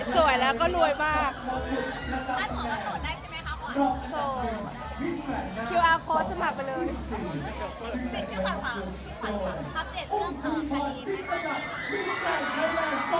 สวยแล้วก็รวยมาก